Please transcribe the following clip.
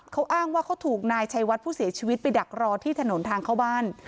เขาอ้างว่าเขาถูกนายชัยวัดผู้เสียชีวิตไปดักรอที่ถนนทางเข้าบ้าน